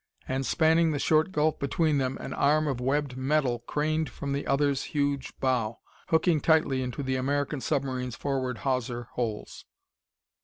And, spanning the short gulf between them, an arm of webbed metal craned from the other's huge bow, hooking tightly into the American submarine's forward hawser holes!